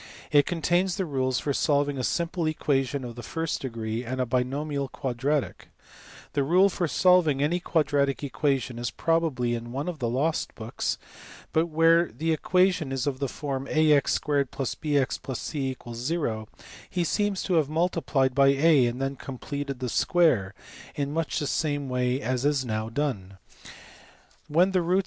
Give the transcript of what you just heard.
It contains the rules for solving a simple equation of the first degree and a binomial quadratic. The rule for solving any quadratic equation is probably in one of the lost books, but where the equation is of the form ax 2 + bx + c = he seems to have multiplied by a and then " completed the in much the same way as is now done : when the roots 108 THE SECOND ALEXANDRIAN SCHOOL.